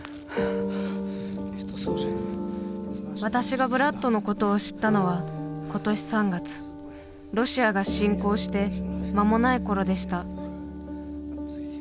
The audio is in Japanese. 私がブラッドのことを知ったのは今年３月ロシアが侵攻して間もない頃でした。